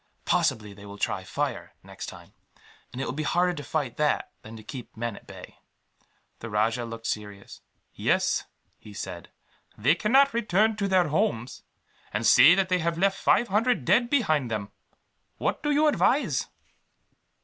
Possibly they will try fire, next time; and it will be harder to fight that than to keep men at bay." The rajah looked serious. "Yes," he said, "they cannot return to their homes, and say that they have left five hundred dead behind them. What do you advise?"